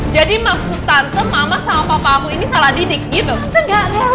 jadi maksud tante mama sama papa aku ini salah didik gitu